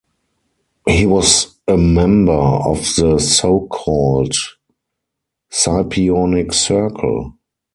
He was a member of the so-called Scipionic Circle.